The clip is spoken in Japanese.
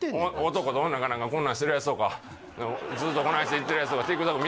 男と女がこんなんしてるやつとかずっとこないしていってるやつとかＴｉｋＴｏｋ